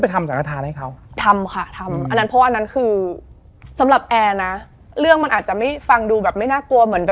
แต่เข้ามาคุยเอายาให้ทานแบบ